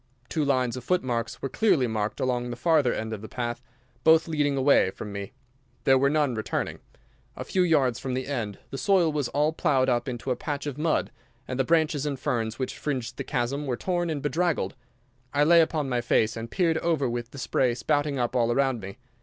Two lines of footmarks were clearly marked along the farther end of the path, both leading away from me. There were none returning. A few yards from the end the soil was all ploughed up into a patch of mud, and the branches and ferns which fringed the chasm were torn and bedraggled. I lay upon my face and peered over with the spray spouting up all around me.